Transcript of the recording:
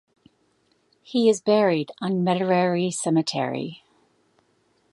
He is buried on Metairie Cemetery.